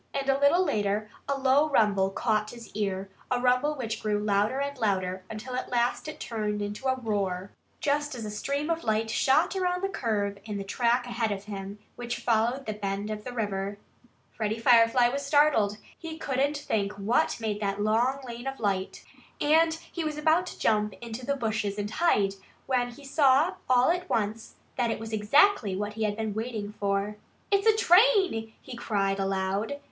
And a little later a low rumble caught his ear a rumble which grew louder and louder until at last it turned into a roar, just as a stream of light shot around the curve in the track ahead of him, which followed the bend of the river. Freddie Firefly was startled. He couldn't think what made that long lane of light. And he was about to jump into the bushes and hide when he saw all at once that it was exactly what he had been waiting for. "It's a train!" he cried aloud.